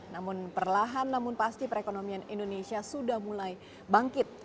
namun perlahan namun pasti perekonomian indonesia sudah mulai bangkit